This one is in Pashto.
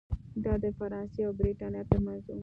دا د فرانسې او برېټانیا ترمنځ و.